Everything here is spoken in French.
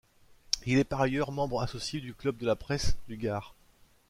Il est par ailleurs membre associé du club de la presse du Gard.